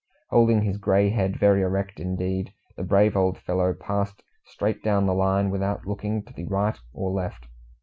Holding his grey head very erect indeed, the brave old fellow passed straight down the line, without looking to the right or left.